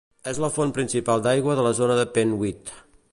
És la font principal d'aigua de la zona de Penwith.